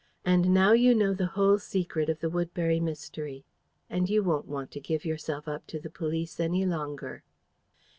And now you know the whole secret of the Woodbury Mystery. And you won't want to give yourself up to the police any longer."